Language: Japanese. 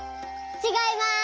ちがいます。